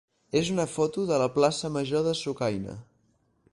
és una foto de la plaça major de Sucaina.